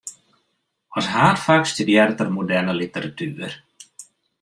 As haadfak studearret er moderne literatuer.